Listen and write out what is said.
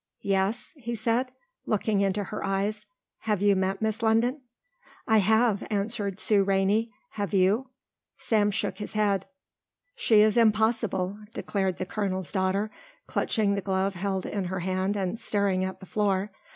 "Yes?" he said, looking into her eyes. "Have you met Miss London?" "I have," answered Sue Rainey. "Have you?" Sam shook his head. "She is impossible," declared the colonel's daughter, clutching the glove held in her hand and staring at the floor.